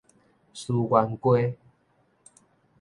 思源街